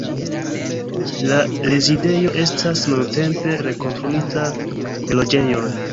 La rezidejo estas nuntempe rekonstruita je loĝejoj.